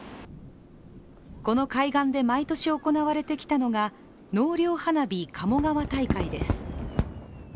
この海岸で毎年行われてきたのが納涼花火鴨川大会です。